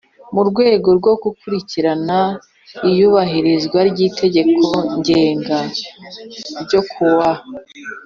Mu rwego rwo gukurikirana iyubahirizwa ry Itegeko Ngenga n ryo ku wa